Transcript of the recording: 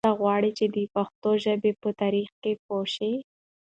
آیا ته غواړې چې د پښتو ژبې په تاریخ پوه شې؟